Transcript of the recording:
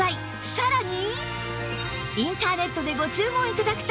さらに